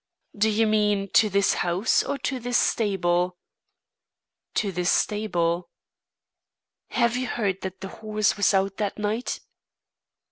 "Do you mean to this house or to this stable?" "To this stable." "Have you heard that the horse was out that night?"